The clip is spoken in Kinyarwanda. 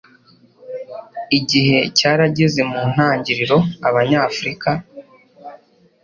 Igihe cyarageze mu ntangiriro Abanyafurika